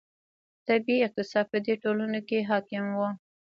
طبیعي اقتصاد په دې ټولنو کې حاکم و.